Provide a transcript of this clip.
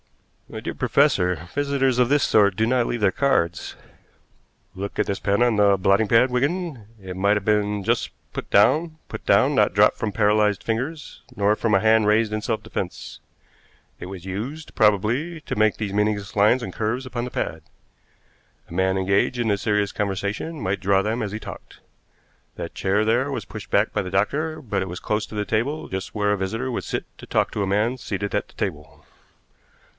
"My dear professor, visitors of this sort do not leave their cards." "Look at this pen on the blotting pad, Wigan; it might have been just put down put down, not dropped from paralyzed fingers, nor from a hand raised in self defense. It was used, probably, to make these meaningless lines and curves upon the pad. A man engaged in a serious conversation might draw them as he talked. That chair there was pushed back by the doctor, but it was close to the table, just where a visitor would sit to talk to a man seated at the table.